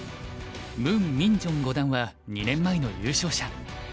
ムン・ミンジョン五段は２年前の優勝者。